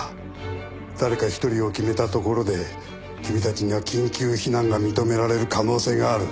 誰か１人を決めたところで君たちには緊急避難が認められる可能性がある。